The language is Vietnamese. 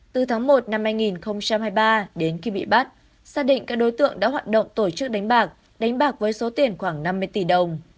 từ tháng một năm hai nghìn hai mươi ba đến khi bị bắt xác định các đối tượng đã hoạt động tổ chức đánh bạc đánh bạc với số tiền khoảng năm mươi tỷ đồng